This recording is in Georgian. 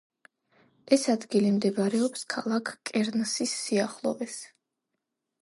ეს ადგილი მდებარეობს ქალაქ კერნსის სიახლოვეს.